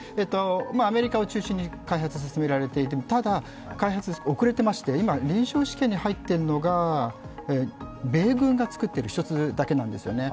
アメリカを中心に開発が進められていて、ただ、開発が遅れていまして今、臨床試験に入っているのが米軍が作っている１つだけなんですね。